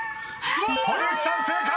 ［堀内さん正解！］